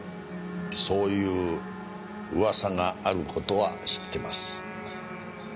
そういう噂がある事は知ってます。